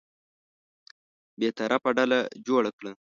بېطرفه ډله جوړه کړه.